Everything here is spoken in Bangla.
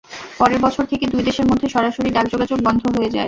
পরের বছর থেকে দুই দেশের মধ্যে সরাসরি ডাক যোগাযোগ বন্ধ হয়ে যায়।